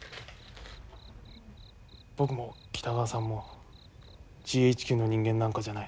僕も北川さんもＧＨＱの人間なんかじゃない。